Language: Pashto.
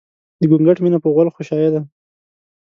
د ګونګټ مينه په غول غوشايه ده